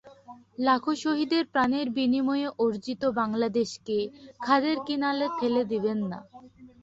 লাখো শহীদের প্রাণের বিনিময়ে অর্জিত বাংলাদেশকে খাদের কিনারে ঠেলে দেবেন না।